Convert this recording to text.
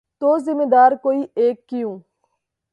تو ذمہ دار کوئی ایک کیوں؟